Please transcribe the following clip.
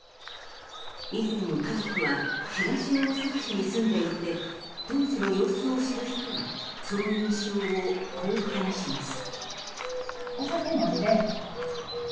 以前、家族は東大阪市に住んでいて当時の様子を知る人はその印象をこう話します。